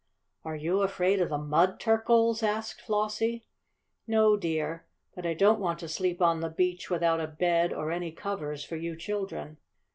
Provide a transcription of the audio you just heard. "Are you afraid of the mud turkles?" asked Flossie. "No, dear. But I don't want to sleep on the beach without a bed or any covers for you children."